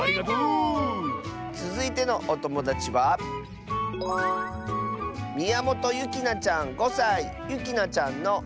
つづいてのおともだちはゆきなちゃんの。